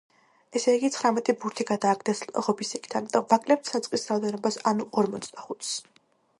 ესე იგი, ცხრამეტი ბურთი გადააგდეს ღობის იქით, ამიტომ ვაკლებთ საწყის რაოდენობას ანუ ორმოცდახუთს.